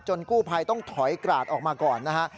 กู้ภัยต้องถอยกราดออกมาก่อนนะฮะ